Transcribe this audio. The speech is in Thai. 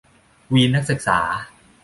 วีนนักศึกษา